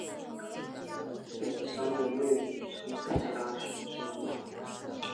冷杉的叶与松科其他属植物不同。